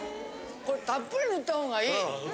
これたっぷり塗ったほうがいい！